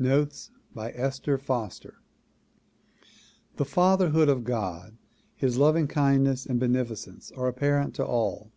Notes by Esther Foster THE fatherhood of God, his loving kindness and beneficence are apparent to all.